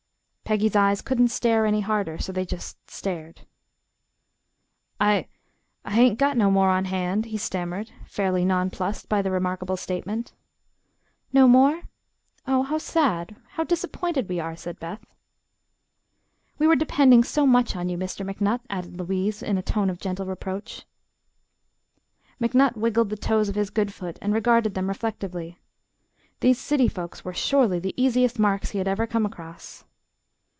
Peggy's eyes couldn't stare any harder, so they just stared. "I I hain't got no more on hand," he stammered, fairly nonplussed by the remarkable statement. "No more? Oh, how sad. How disappointed we are," said Beth. "We were depending so much on you. Mr. McNutt," added Louise, in a tone of gentle reproach. McNutt wiggled the toes of his good foot and regarded them reflectively. These city folks were surely the "easiest marks" he had ever come across.